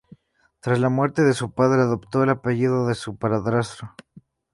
Tras la muerte de su padre, adoptó el apellido de su padrastro.